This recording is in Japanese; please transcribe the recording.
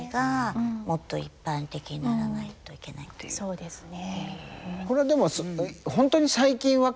そうですね。